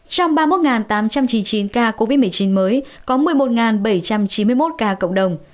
trong ba mươi một tám trăm chín mươi chín ca covid một mươi chín mới có một mươi một bảy trăm chín mươi một ca cộng đồng